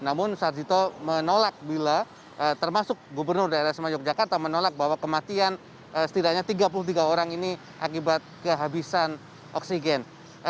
namun sarjito menolak bila termasuk gubernur daerah sema yogyakarta menolak bahwa kematian setidaknya tiga puluh tiga orang ini akibat kehabisan oksigen